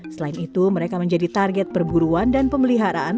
selain itu mereka menjadi target perburuan dan pemeliharaan